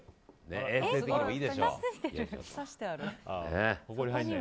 衛生的にもいいでしょう。